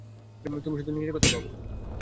তুমি শুধু নিজের কথাই ভাবো।